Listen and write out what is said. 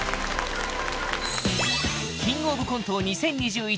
キングオブコント２０２１